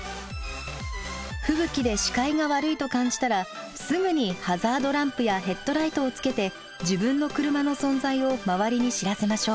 吹雪で視界が悪いと感じたらすぐにハザードランプやヘッドライトをつけて自分の車の存在を周りに知らせましょう。